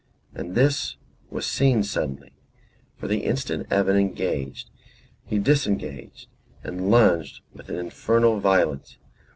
And this was seen suddenly; for the instant Evan engaged he disengaged and lunged with an infernal violence.